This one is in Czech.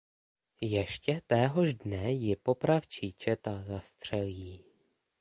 Ještě téhož dne ji popravčí četa zastřelí.